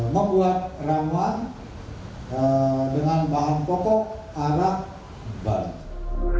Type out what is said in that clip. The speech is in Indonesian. membuat ramuan dengan bahan pokok arak balik